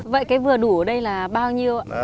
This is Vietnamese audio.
vậy cái vừa đủ ở đây là bao nhiêu ạ